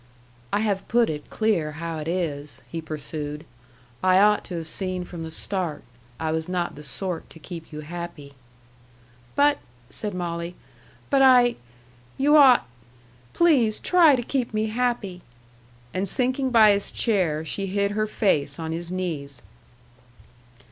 "I have put it clear how it is," he pursued. "I ought to have seen from the start I was not the sort to keep you happy." "But," said Molly "but I you ought please try to keep me happy!" And sinking by his chair, she hid her face on his knees.